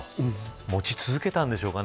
持ち続けたんでしょうかね。